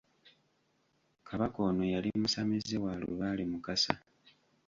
Kabaka ono yali musamize wa lubaale Mukasa